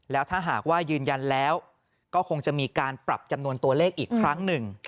แล้วถ้าหากว่ายืนยันแล้วก็คงจะมีการปรับจำนวนตัวเลขอีกครั้งหนึ่ง